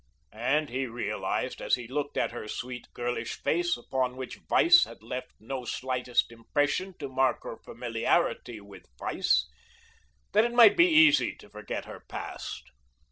And he realized as he looked at her sweet girlish face upon which vice had left no slightest impression to mark her familiarity with vice, that it might be easy to forget her past.